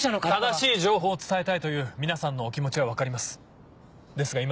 正しい情報を伝えたいという皆さんのお気持ちは分かります。